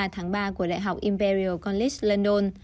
một mươi ba tháng ba của đại học imperial college london